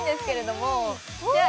もじゃあ